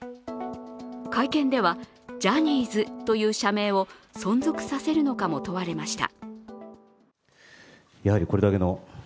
会見ではジャニーズという社名を存続させるのかも問われました。